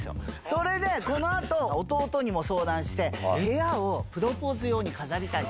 それでこのあと、弟にも相談して、部屋をプロポーズ用に飾りたい。